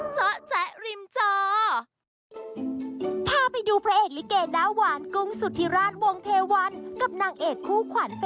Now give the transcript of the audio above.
โปรดติดตามตอนต่อไป